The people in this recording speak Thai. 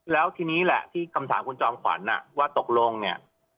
แล้วทีนี้แหละที่คำถามคุณจอมขวัญว่าตกลงเนี่ย